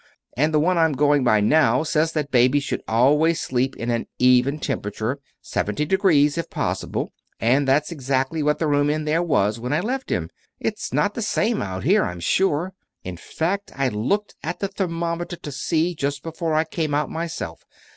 And the one I'm going by now says that Baby should always sleep in an even temperature seventy degrees, if possible; and that's exactly what the room in there was, when I left him. It's not the same out here, I'm sure. In fact I looked at the thermometer to see, just before I came out myself.